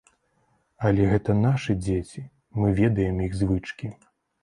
Але гэта нашы дзеці, мы ведаем іх звычкі.